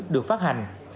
được phát hành